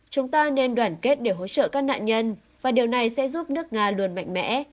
chúng ta nên đoàn kết để hỗ trợ các nạn nhân và điều này sẽ giúp nước nga luôn mạnh mẽ